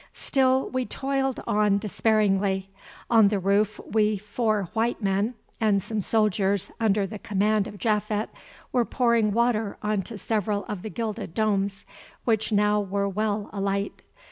Still, we toiled on despairingly. On the roof we four white men, and some soldiers under the command of Japhet, were pouring water on to several of the gilded domes, which now were well alight.